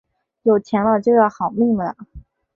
有钱了就要好命了啊